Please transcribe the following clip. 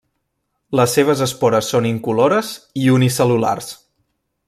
Les seves espores són incolores i unicel·lulars.